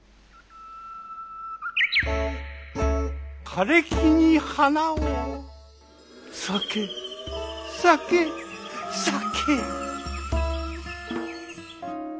枯れ木に花を咲け咲け咲け！